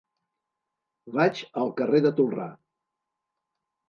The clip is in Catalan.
Vaig al carrer de Tolrà.